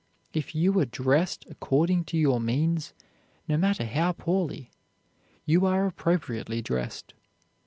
If you are dressed according to your means, no matter how poorly, you are appropriately dressed.